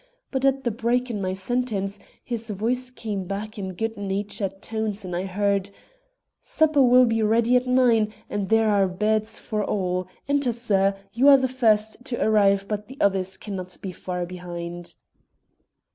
But at the break in my sentence, his voice came back in good natured tones and I heard: "Supper will be ready at nine, and there are beds for all. Enter, sir; you are the first to arrive, but the others can not be far behind."